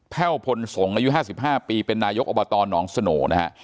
แพ่วพลสงศ์อายุห้าสิบห้าปีเป็นนายกอบตนสโน่นะฮะ